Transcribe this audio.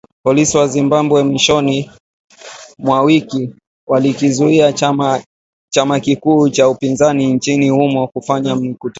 Polisi wa Zimbabwe mwishoni mwa wiki walikizuia chama kikuu cha upinzani nchini humo kufanya mikutano